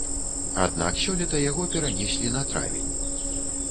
Аднак сёлета яго перанеслі на травень.